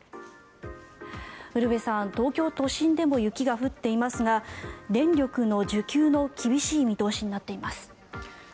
ウルヴェさん、東京都心でも雪が降っていますが電力の需給が厳しい見通しになっています。